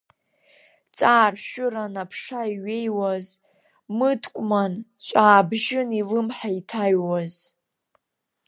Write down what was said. Ҵааршәыран аԥша иҩеиуаз, мыткәман, ҵәаабжьын илымҳа иҭаҩуаз.